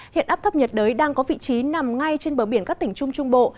hiện áp thấp nhiệt đới đang có vị trí nằm ngay trên bờ biển các tỉnh trung trung bộ